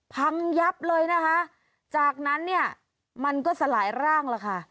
พังยับเลยนะคะจากนั้นเนี่ยมันก็สลายร่างแล้วค่ะ